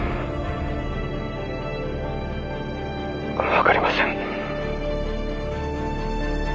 分かりません。